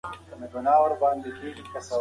دوی پر افغانستان یرغل وکړ.